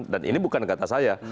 dan ini bukan kata saya